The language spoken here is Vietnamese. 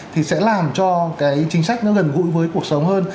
thì sẽ làm cho cái chính sách nó gần gũi với cuộc sống hơn